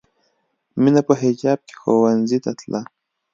مینه په حجاب کې ښوونځي ته تله